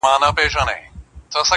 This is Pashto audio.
نوريې دلته روزي و ختمه سوې,